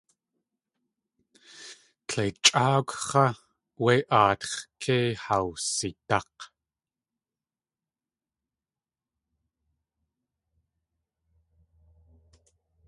Tléi chʼáakw x̲á wé aatx̲ kei haa wsidák̲.